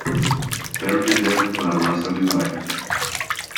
There he lived for the rest of his life.